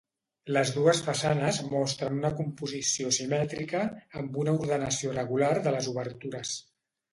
Les dues façanes mostren una composició simètrica, amb una ordenació regular de les obertures.